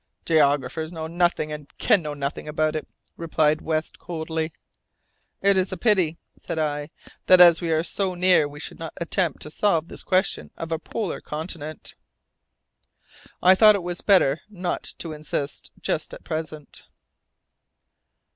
"Geographers know nothing, and can know nothing about it," replied West, coldly. "It is a pity," said I, "that as we are so near, we should not attempt to solve this question of a polar continent." I thought it better not to insist just at present.